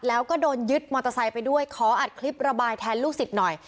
แล้วก็โดนยึดมอเตอร์ไซค์ไปด้วยขออัดคลิประบายแทนลูกศิษย์หน่อย